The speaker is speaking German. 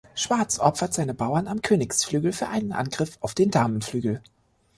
Schwarz opfert seine Bauern am Königsflügel für einen Angriff auf dem Damenflügel.